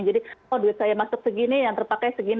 jadi oh duit saya masuk segini yang terpakai segini